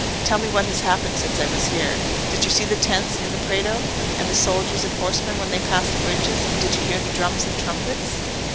Tell me what has happened since I was here. Did you see the tents in the Prato, and the soldiers and horsemen when they passed the bridges—did you hear the drums and trumpets?"